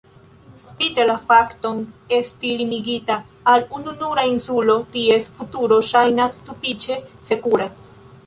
Spite la fakton esti limigita al ununura insulo, ties futuro ŝajnas sufiĉe sekura.